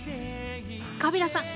カビラさん